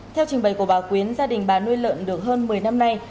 theo trình bày của bà quyến gia đình bà nuôi lợn được hơn một mươi năm nay